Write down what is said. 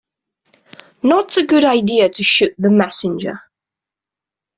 Not a good idea to shoot the messenger.